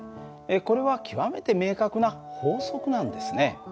これは極めて明確な法則なんですね。